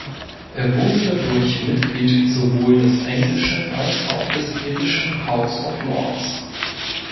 Er wurde dadurch Mitglied sowohl des englischen als auch des irischen House of Lords.